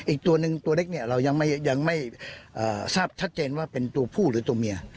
อีกตัวหนึ่งตัวเล็กเนี่ยเรายังไม่ทราบชัดเจนว่าเป็นตัวผู้หรือตัวเมีย